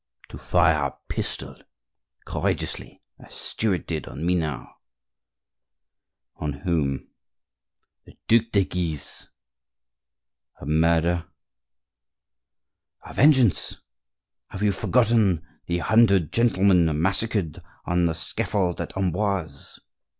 "To fire a pistol courageously, as Stuart did on Minard." "On whom?" "The Duc de Guise." "A murder?" "A vengeance. Have you forgotten the hundred gentlemen massacred on the scaffold at Amboise?